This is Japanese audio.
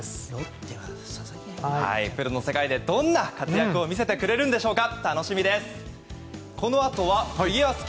プロの世界でどんな活躍を見せてくれるんでしょうか。